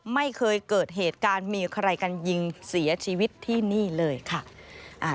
ไม่เคยเกิดเหตุการณ์มีใครกันยิงเสียชีวิตที่นี่เลยค่ะ